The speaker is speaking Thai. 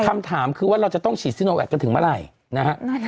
คำถามคือว่าเราจะต้องฉีดซิโนแวคกันถึงเมื่อไหร่นะฮะ